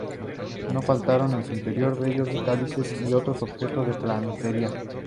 No faltaron en su interior bellos cálices y otros objetos de platería.